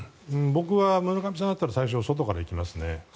僕は村上さんだったら最初、外から行きますね。